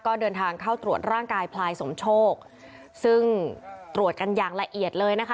ก็เดินทางเข้าตรวจร่างกายพลายสมโชคซึ่งตรวจกันอย่างละเอียดเลยนะคะ